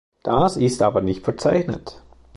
Das ist aber nicht verzeichnet.